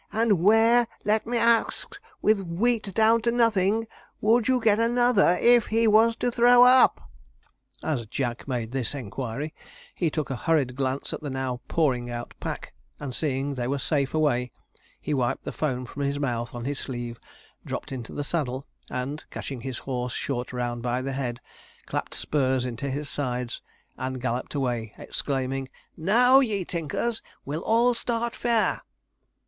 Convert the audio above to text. And where, let me ax, with wheat down to nothing, would you get another, if he was to throw up?' As Jack made this inquiry, he took a hurried glance at the now pouring out pack; and seeing they were safe away, he wiped the foam from his mouth on his sleeve, dropped into his saddle, and, catching his horse short round by the head, clapped spurs into his sides, and galloped away, exclaiming: 'Now, ye tinkers, we'll all start fair!'